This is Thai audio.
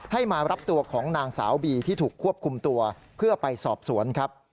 มารับตัวของนางสาวบีที่ถูกควบคุมตัวเพื่อไปสอบสวนครับ